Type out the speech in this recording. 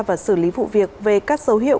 và xử lý vụ việc về các dấu hiệu